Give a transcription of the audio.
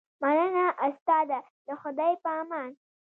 مننه استاده د خدای په امان